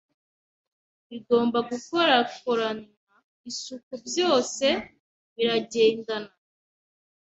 bigomba gukorananwa isuku byose biragendana